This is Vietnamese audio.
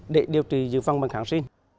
để điều trị dự phòng bằng hạng sinh